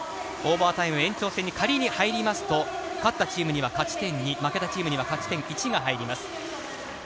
オーバータイム、延長戦に仮に入りますと、勝ったチームには勝ち点２、負けたチームには勝ち点１が入ります。